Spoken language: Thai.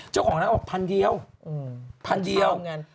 เจ้าของร้านก็บอก๑๐๐๐เย้า